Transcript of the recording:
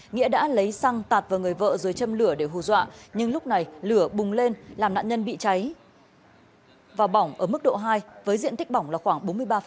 nghĩa đã lấy xăng tạt vào người vợ rồi châm lửa để hù dọa nhưng lúc này lửa bùng lên làm nạn nhân bị cháy và bỏng ở mức độ hai với diện tích bỏng là khoảng bốn mươi ba